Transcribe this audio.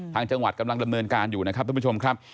ทางจังหวัดกำลังระเมินการอยู่นะครับท่านผู้ชมครับ